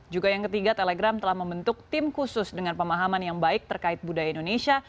juga yang ketiga telegram telah membentuk tim khusus dengan pemahaman yang baik terkait budaya indonesia